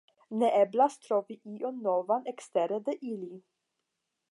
Ne eblas trovi ion novan ekstere de ili.